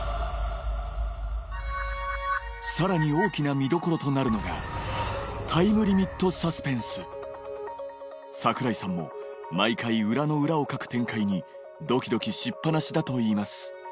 さらに大きな見どころとなるのが櫻井さんも毎回裏の裏をかく展開にドキドキしっ放しだと言います